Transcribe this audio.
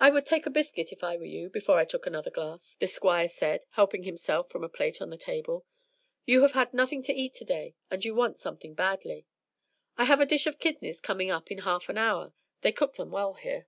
"I would take a biscuit, if I were you, before I took another glass," the Squire said, helping himself from a plate on the table. "You have had nothing to eat today, and you want something badly. I have a dish of kidneys coming up in half an hour; they cook them well here."